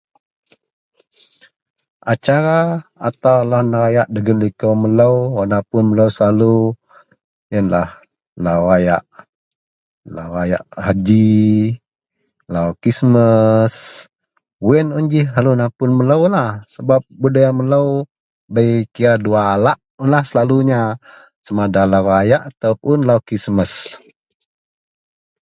Acara atau lau nerayak dagen likou melou wak napun melou selalu yenlah lau rayak, lau rayak haji. Lau Krismas. Yen un ji selalu napun meloulah sebab budaya melou bei kira duwa alaklah selalunya sama ada lau rayak ataupun lau Krismas.